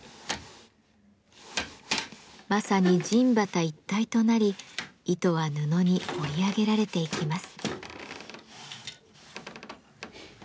まさに人機一体となり糸は布に織り上げられていきます。